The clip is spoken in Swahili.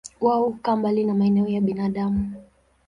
Wao hukaa mbali na maeneo ya binadamu.